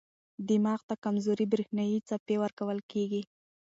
دماغ ته کمزورې برېښنايي څپې ورکول کېږي.